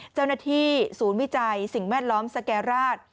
เจ้าหน้าที่ศูนย์วิจัยสิ่งแวดล้อมสแก่ราช